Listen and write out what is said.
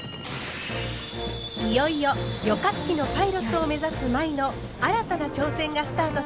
いよいよ旅客機のパイロットを目指す舞の新たな挑戦がスタートします。